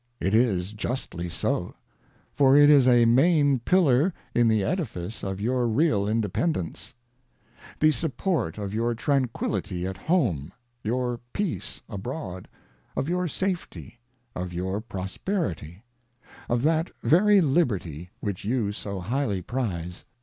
ŌĆö It is justly so ŌĆó, ŌĆö for it is a main Pillar in the Edifice of your real independence ; the support of your tranquillity at home ; your peace abroad ; of your safety ; of your prosperity ; of that very Liberty, which you so highly prize.